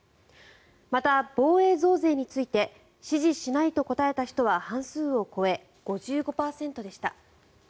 また防衛増税について支持しないと答えた人は半数を超え５５％でした。